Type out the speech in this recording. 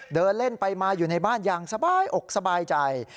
เดินเล่นไปมาอยู่ในบ้านอย่างสบายอกสบายใจ